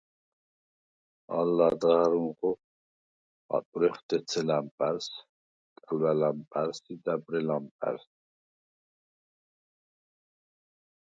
ალ ლადღა̈რუნღო ატვრეხ დეცე ლამპა̈რს, კალვა̈ ლამპა̈რს ი დაბრე ლამპა̈რს.